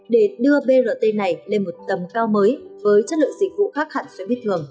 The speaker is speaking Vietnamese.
để đưa brt này lên một tầm cao mới với chất lượng dịch vụ khác hẳn xe buýt thường